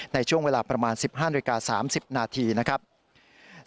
ในช่วงเวลาประมาณ๑๕นาที๓๐นาที